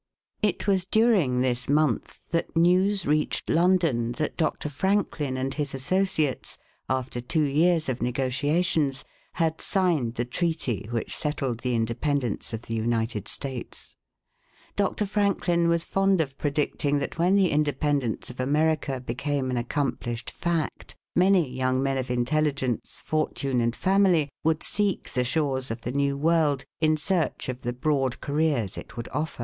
It was during this month that news reached London, that Dr. Franklin and his associates, after two years of negotiations, had signed the treaty which settled the independence of the United States. Dr. Franklin was fond of predicting that when the independence of America became an accomplished fact, many youn^ men of intelligence, fortune, and family, would seek the shores of the New World in search of the broad careers it would offer.